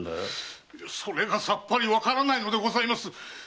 それがさっぱりわからないのでございます。